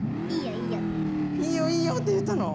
「いいよいいよ」って言ったの？